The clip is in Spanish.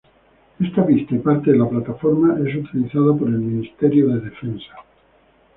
Esta pista y parte de la plataforma es utilizada por el Ministerio de Defensa.